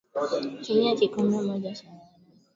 Tumia kikombe moja cha maharage